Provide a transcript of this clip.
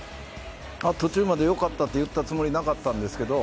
途中までよかったと言ったつもりなかったんですけど。